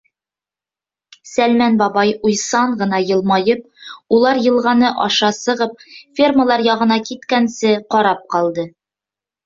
Сәлмән бабай, уйсан ғына йылмайып, улар йылғаны аша сығып, фермалар яғына киткәнсе, ҡарап ҡалды.